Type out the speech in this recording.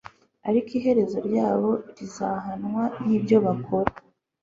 ariko iherezo ryabo rizahwana n'ibyo bakora